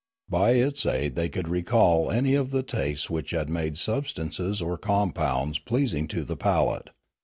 By its aid they could recall any of the tastes which had made substances or compounds pleasing to the palate.